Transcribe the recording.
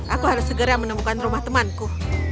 aku harus segera menemukan rumah temanku